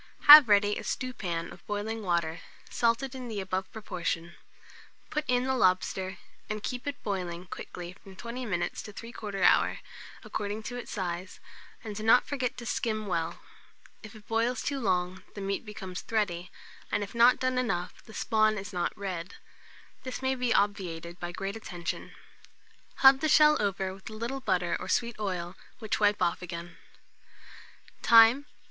Have ready a stewpan of boiling water, salted in the above proportion; put in the lobster, and keep it boiling quickly from 20 minutes to 3/4 hour, according to its size, and do not forget to skim well. If it boils too long, the meat becomes thready, and if not done enough, the spawn is not red: this must be obviated by great attention. Hub the shell over with a little butter or sweet oil, which wipe off again. Time.